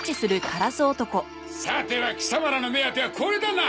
さては貴様らの目当てはこれだな！